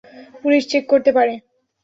Police check করতে পারে।